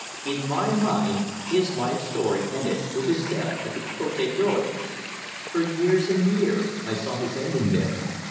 In my mind his life story ended with his death at the Cote Dorion. For years and years I saw his ending there.